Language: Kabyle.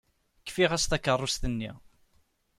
Fkiɣ-as takeṛṛust-nni.